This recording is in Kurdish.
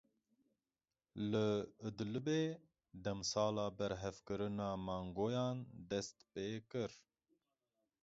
Li Idlibê demsala berhevkirina mangoyan dest pê kir.